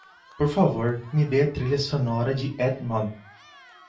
Por favor, me dê a trilha sonora de Edgemont.